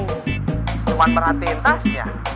cuma merhatiin tasnya